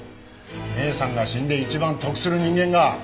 姉さんが死んで一番得する人間が。